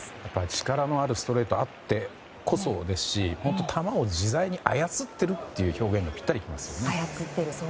力のあるストレートあってこそですし本当、球を自在に操っているという表現がピッタリきますね。